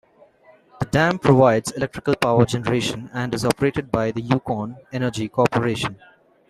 The dam provides electrical power generation and is operated by the Yukon Energy Corporation.